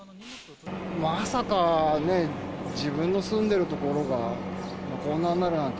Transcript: まさかね、自分の住んでいる所が、こんななるなんて